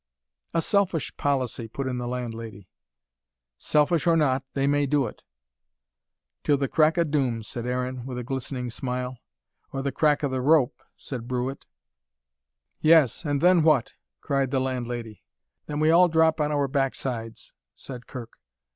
"A selfish policy," put in the landlady. "Selfish or not, they may do it." "Till the crack o' doom," said Aaron, with a glistening smile. "Or the crack o' th' rope," said Brewitt. "Yes, and THEN WHAT?" cried the landlady. "Then we all drop on our backsides," said Kirk.